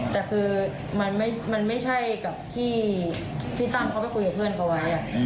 แต่คือมันไม่ใช่กับที่พี่ตั้มเขาไปคุยกับเพื่อนเขาไว้